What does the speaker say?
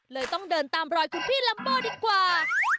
ต้องเดินตามรอยคุณพี่ลัมโบดีกว่า